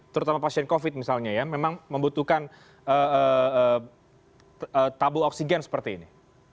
terutama pasien covid misalnya ya memang membutuhkan tabung oksigen seperti ini